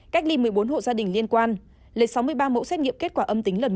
cách ly một mươi bốn hộ gia đình liên quan lấy sáu mươi ba mẫu xét nghiệm kết quả âm tính lần chín